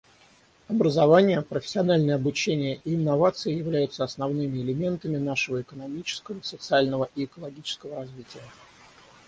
Образование, профессиональное обучение и инновации являются основными элементами нашего экономического, социального и экологического развития.